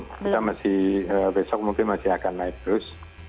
kita masih besok mungkin masih akan naik terus